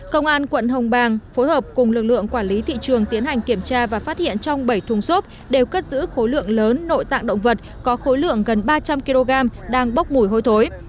công an quận hồng bàng phối hợp cùng lực lượng quản lý thị trường tiến hành kiểm tra và phát hiện trong bảy thùng xốp đều cất giữ khối lượng lớn nội tạng động vật có khối lượng gần ba trăm linh kg đang bốc mùi hôi thối